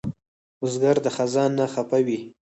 بزګر د خزان نه خفه وي